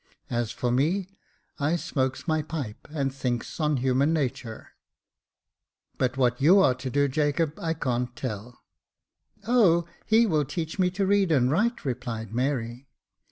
As for me, I smokes my pipe and thinks on human natur ; but what you are to do, Jacob, I can't telL" " Oh ! he will teach me to read and write," replied Mary.